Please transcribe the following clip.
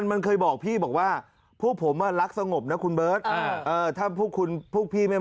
เพราะไง